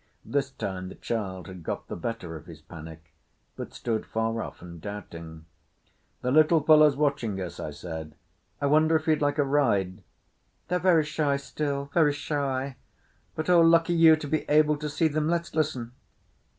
This time the child had got the better of his panic, but stood far off and doubting. "The little fellow's watching us," I said. "I wonder if he'd like a ride." "They're very shy still. Very shy. But, oh, lucky you to be able to see them! Let's listen."